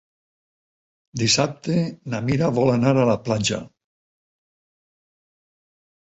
Dissabte na Mira vol anar a la platja.